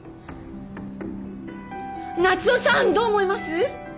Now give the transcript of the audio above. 夏雄さんどう思います！？